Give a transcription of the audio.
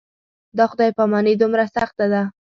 دا خدای پاماني دومره سخته ده.